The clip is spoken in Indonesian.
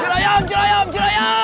cura yam cura yam cura yam